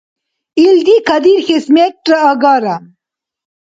Илди кадихьес мерра агара.